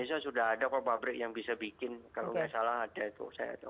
jadi ini adalah hal yang harus dipikirkan oleh pabrik pabrik yang bisa bikin kalau tidak salah ada itu